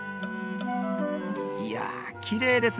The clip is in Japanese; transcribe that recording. いやきれいですね。